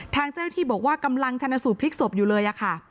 ทางเจ้าหน้าที่บอกว่ากำลังชนสูตรพลิกศพอยู่เลยค่ะ